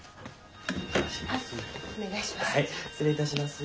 お願いします。